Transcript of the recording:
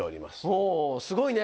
おぉすごいね。